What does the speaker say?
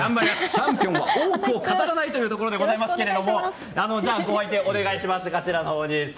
チャンピオンは多くを語らないというところでございますがご相手、お願いします。